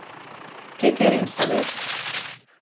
Que queren saber?